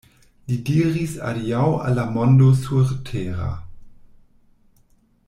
Li diris adiaŭ al la mondo surtera.